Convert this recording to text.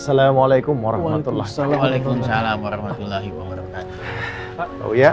assalamualaikum warahmatullah waalaikumsalam warahmatullahi wabarakatuh oh ya